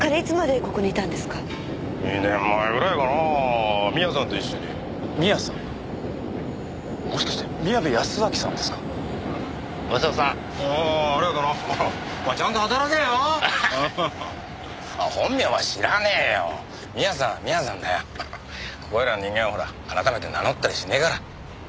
ここいらの人間はほら改めて名乗ったりしねえから。